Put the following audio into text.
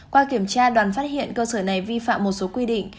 qua kiểm tra đoàn phát hiện cơ sở này vi phạm một số quy định